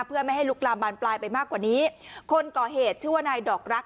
เพื่อไม่ให้ลุกลามบานปลายไปมากกว่านี้คนก่อเหตุชื่อว่านายดอกรัก